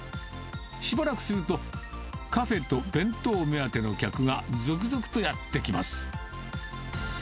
しばらくすると、カフェと弁当目当ての客が続々とやって来ます。